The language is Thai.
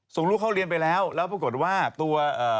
ส่งลูกเข้าเรียนไปแล้วแล้วปรากฏว่าตัวเอ่อ